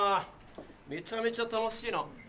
めちゃめちゃ楽しいな。